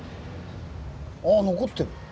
ああ残ってる。